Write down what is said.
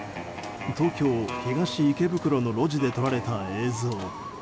東京・東池袋の路地で撮られた映像。